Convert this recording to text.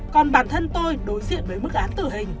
còn bản thân tôi đối diện với mức án tử hình